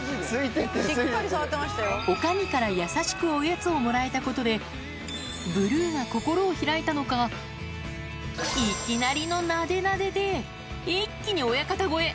おかみから優しくおやつをもらえたことで、ブルーが心を開いたのか、いきなりのなでなでで、一気に親方超え。